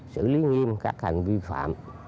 xử lý nghiêm các hành vi phạm